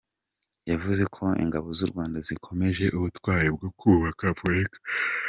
Yavuze ko ingabo z’u Rwanda zikomeje ubutwari bwo kubaka Afurika.